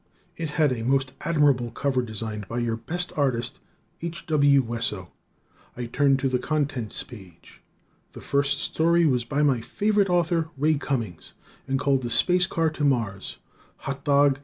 It had a most admirable cover design by your best artist, H. W. Wesso. I turned to the Contents Page. The first story was by my favorite author, Ray Cummings, and called "The Space Car to Mars." Hot dog!